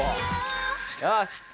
よし！